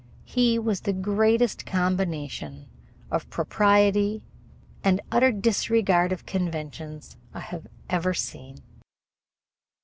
He was the greatest combination of propriety and utter disregard of conventions I had ever seen.